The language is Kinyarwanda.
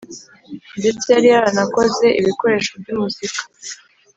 Ndetse yari yaranakoze ibikoresho by’ umuzika